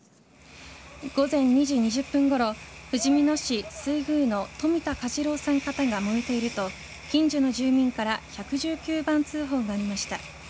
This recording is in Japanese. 午前２時２０分ごろふじみ野市水宮の冨田嘉次郎さん方が燃えていると近所の住民から１１９番通報がありました。